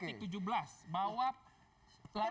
pendaftaran sejak dimulai